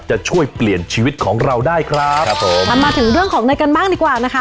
จะช่วยเปลี่ยนชีวิตของเราได้ครับครับผมมันมาถึงเรื่องของเนยกันบ้างดีกว่านะคะ